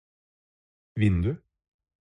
vindu